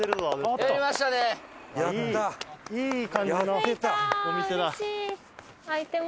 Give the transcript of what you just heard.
はい。